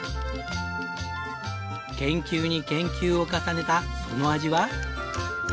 研究に研究を重ねたその味は？